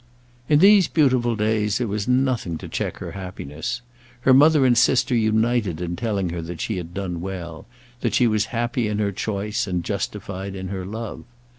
In these beautiful days there was nothing to check her happiness. Her mother and sister united in telling her that she had done well, that she was happy in her choice, and justified in her love.